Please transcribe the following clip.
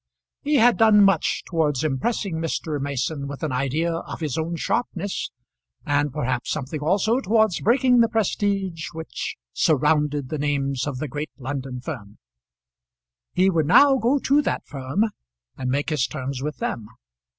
He had done much towards impressing Mr. Mason with an idea of his own sharpness, and perhaps something also towards breaking the prestige which surrounded the names of the great London firm. He would now go to that firm and make his terms with them.